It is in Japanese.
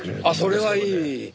あっそれはいい。